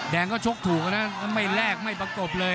แดงก็ชกถูกนะไม่แลกไม่ประกบเลย